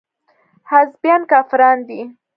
حزبيان کافران دي.